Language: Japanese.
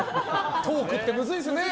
トークってむずいですね。